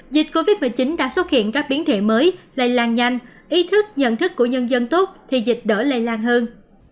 dịch covid một mươi chín đã xuất hiện các biến thể mới lây lan nhanh ý thức nhận thức của nhân dân tốt thì dịch đỡ lây lan hơn